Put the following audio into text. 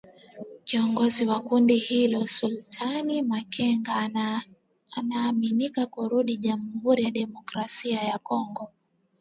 Kiongozi wa kundi hilo Sultani Makenga anaaminika kurudi Jamhuri ya Kidemokrasia ya Kongo .